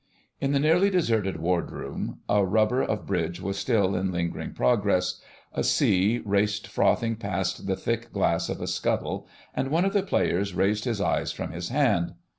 In the nearly deserted Wardroom a rubber of bridge was still in lingering progress; a sea raced frothing past the thick glass of a scuttle, and one of the players raised his eyes from his hand.